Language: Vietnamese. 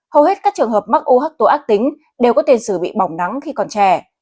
hầu hết các trường hợp mắc u hắc tối ác tính đều có tiền sử bị bỏng nắng khi còn trẻ